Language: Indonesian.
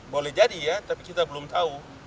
boleh jadi ya tapi kita belum tahu